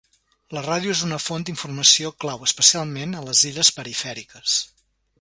La ràdio és una font d"informació clau, especialment a les illes perifèriques.